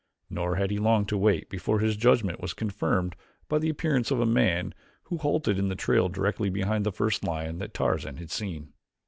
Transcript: Nor had he long to wait before his judgment was confirmed by the appearance of a man who halted in the trail directly behind the first lion that Tarzan had seen.